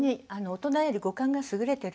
大人より五感が優れてるので。